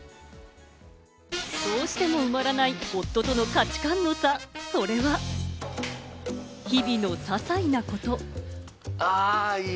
どうしても埋まらない夫との価値観の差、それは、日々の些細なこと。